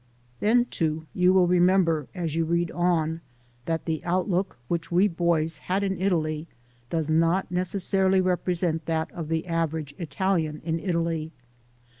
Then, too, you will remember, as you read on, that the outlook which we boys had in Italy does not necessarily represent that of the average Italian in Italy.